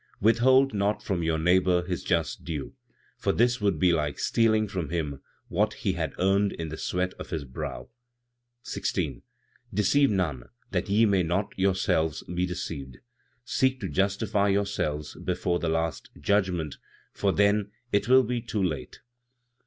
"Withhold not from your neighbor his just due, for this would be like stealing from him what he had earned in the sweat of his brow. 16. "Deceive none, that ye may not yourselves be deceived; seek to justify yourselves before the last judgment, for then it will be too late.